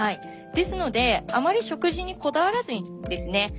ですのであまり食事にこだわらずにですね